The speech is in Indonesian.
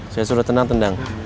saya suruh tenang tendang